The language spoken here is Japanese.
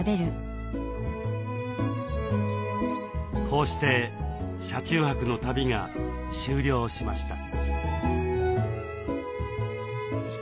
こうして車中泊の旅が終了しました。